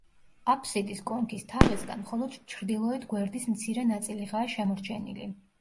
აფსიდის კონქის თაღისგან, მხოლოდ ჩრდილოეთ გვერდის მცირე ნაწილიღაა შემორჩენილი.